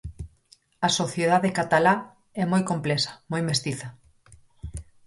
A sociedade catalá é moi complexa, moi mestiza.